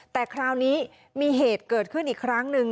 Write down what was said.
แต่คราวนี้มีเหตุได้เกิดขึ้นอีกครั้ง